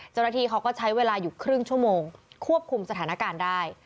เจ้าหน้าที่เขาก็ใช้เวลาอยู่ครึ่งชั่วโมงควบคุมสถานการณ์ได้